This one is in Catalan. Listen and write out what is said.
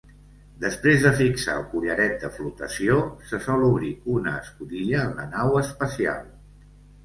Després de fixar el collaret de flotació, se sol obrir una escotilla en la nau espacial.